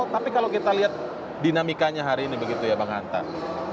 tapi kalau kita lihat dinamikanya hari ini begitu ya bang antam